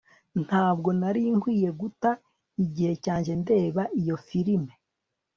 Ntabwo nari nkwiye guta igihe cyanjye ndeba iyo firime